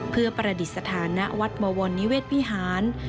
เพื่อประดิษฐานณวัดบวรนิเวศวิหาร